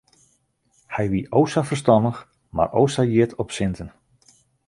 Hy wie o sa ferstannich mar o sa hjit op sinten.